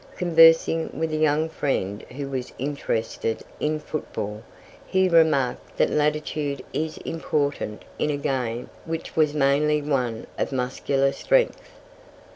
Conversing with a young friend, who was interested in football, he remarked that latitude is important in a game which was mainly one of muscular strength.